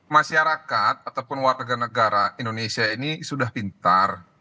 masyarakat ataupun warga negara indonesia ini sudah pintar